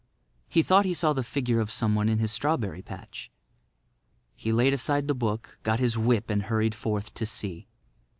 He thought he saw the figure of someone in his strawberry patch. He laid aside the book, got his whip and hurried forth to see.